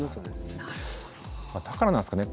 だからなんですかね。